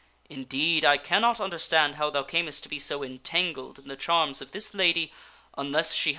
Indeed, I cannot understand how thou earnest to be so entangled in the charms of ^ this lady unless she hat!